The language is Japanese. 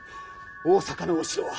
大坂のお城は？